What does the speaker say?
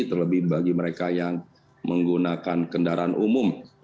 terlebih bagi mereka yang menggunakan kendaraan umum